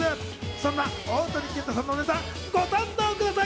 そんな大谷健太さんのネタ、ご堪能ください。